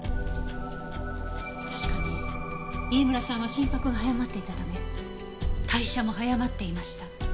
確かに飯村さんは心拍が早まっていたため代謝も早まっていました。